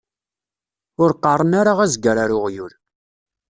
Ur qeṛṛen ara azger ar uɣyul.